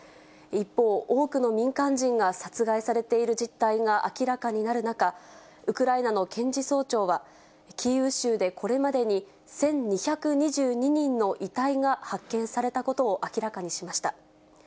一方、多くの民間人が殺害されている実態が明らかになる中、ウクライナの検事総長は、キーウ州でこれまでに１２２２人の遺体が発見されたことを明らかにしました。